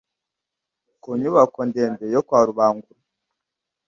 ku nyubako ndende yo kwa Rubangura